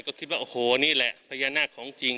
ก็คิดว่าโอ้โหนี่แหละพญานาคของจริง